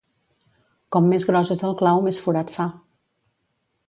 Com més gros és el clau, més forat fa.